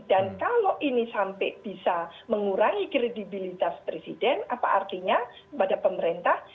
dan kalau ini sampai bisa mengurangi kredibilitas presiden apa artinya kepada pemerintah